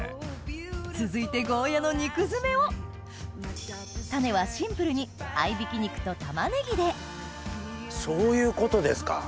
続いてゴーヤーの肉詰めをタネはシンプルに合い挽き肉とタマネギでそういうことですか。